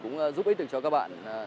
cũng giúp ích được cho các bạn